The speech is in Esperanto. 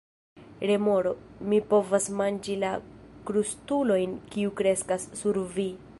Remoro: "Mi povas manĝi la krustulojn kiuj kreskas sur vi."